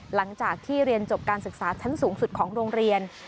หลังจากที่เรียนจบการศึกษาชั้นสูงสุดของโรงเรียน